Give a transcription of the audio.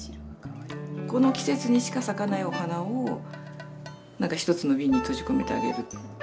この季節にしか咲かないお花を何か一つのビンに閉じ込めてあげる。